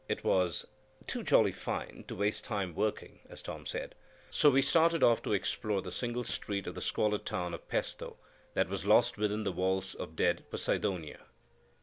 It was "too jolly fine to waste time working," as Tom said; so we started off to explore the single street of the squalid town of Pesto that was lost within the walls of dead Poseidonia.